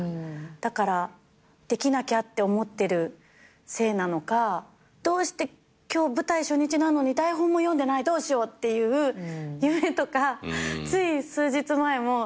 だからできなきゃって思ってるせいなのか今日舞台初日なのに台本も読んでないどうしようっていう夢とかつい数日前も声が出ない！